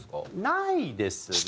ないですね。